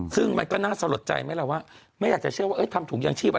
ซึ่งมันก็น่าสะหรับใจไหมล่ะว่าไม่อยากจะเชื่อว่าทำถุงยางชีพอะไร